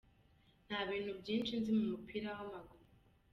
Nta bintu byinshi nzi mu mupira w’ amaguru”.